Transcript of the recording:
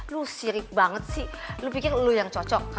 lu sirik banget sih lu pikir lo yang cocok